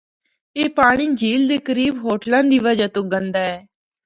اے پانڑی جھیل دے قریب ہوٹلاں دی وجہ تو گندا اے۔